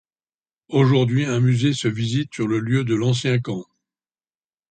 Aujourd'hui un musée se visite sur le lieu de l'ancien camp.